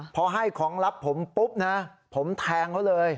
พอให้ของลับผมปุ๊บนะผมแทงเขาเลย